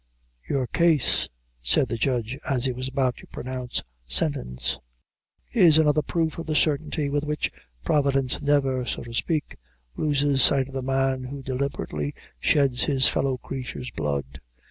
"Your case," said the judge, as he was about to pronounce sentence, "is another proof of the certainty with which Providence never, so to speak, loses sight of the man who deliberately sheds his fellow creature's blood.